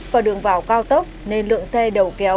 và đường vào cao tốc nên lượng xe đầu kéo